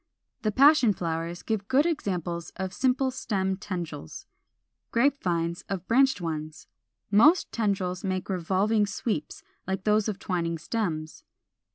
The Passion flowers give good examples of simple stem tendrils (Fig. 92); Grape Vines, of branched ones. Most tendrils make revolving sweeps, like those of twining stems.